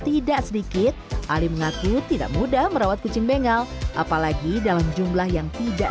tidak sedikit ali mengaku tidak mudah merawat kucing bengal apalagi dalam jumlah yang tidak